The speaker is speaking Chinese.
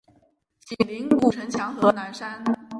紧邻古城墙和南山。